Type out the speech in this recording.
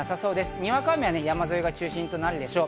にわか雨は山沿いが中心となるでしょう。